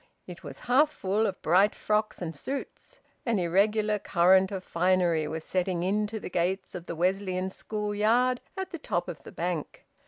It was half full of bright frocks and suits. An irregular current of finery was setting in to the gates of the Wesleyan School yard at the top of the Bank.